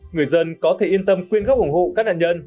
người dân có thể yên tâm quyên góp ủng hộ các nạn nhân